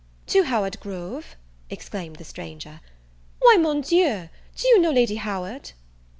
"To Howard Grove!" exclaimed the stranger, "why, mon Dieu, do you know Lady Howard?"